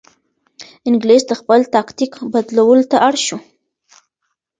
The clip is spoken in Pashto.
انګلیس د خپل تاکتیک بدلولو ته اړ شو.